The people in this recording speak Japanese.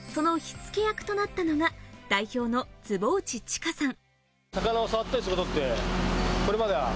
その火付け役となったのが代表の坪内知佳さん。